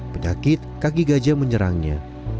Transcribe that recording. penyakit kaki gajah menyerangnya